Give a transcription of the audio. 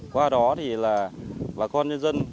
qua đó thì là bà con nhân dân